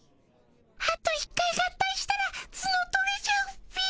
あと一回合体したらツノ取れちゃうっピ。